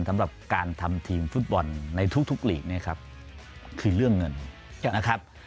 สำหรับการทำทีมฟุตบอลในทุกหลีกเนี่ยครับคือเรื่องเงินนะครับ